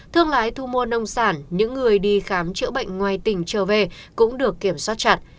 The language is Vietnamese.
thương lái thu mua nông sản những người đi khám chữa bệnh ngoài tỉnh trở về cũng được kiểm soát chặt